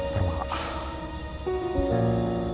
terima kasih wak